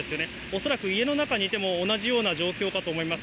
恐らく家の中にいても同じような状況だと思います。